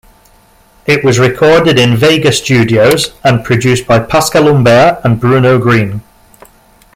It was recorded in Vega Studios and produced by Pascal Humbert and Bruno Green.